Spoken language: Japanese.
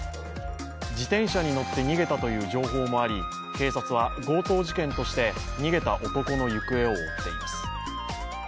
自転車に乗って逃げたという情報もあり警察は強盗事件として逃げた男の行方を追っています。